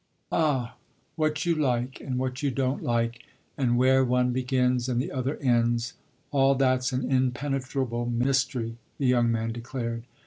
"Ah what you like and what you don't like, and where one begins and the other ends all that's an impenetrable mystery!" the young man declared.